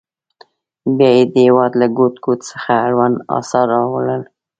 بیا یې د هېواد له ګوټ ګوټ څخه اړوند اثار راوړل.